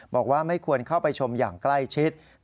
บอกว่าไม่ควรเข้าไปชมอย่างใกล้ชิด